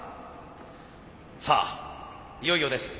さあいよいよです。